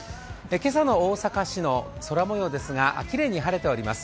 今朝の大阪市の空もようですがきれいに晴れております。